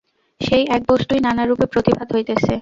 সেই এক বস্তুই নানারূপে প্রতিভাত হইতেছে।